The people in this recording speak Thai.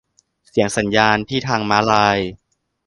เสียงสัญญาณที่ทางม้าลาย